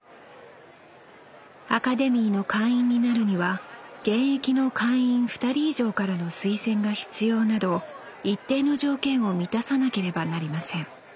アカデミーの会員になるには現役の会員２人以上からの推薦が必要など一定の条件を満たさなければなりません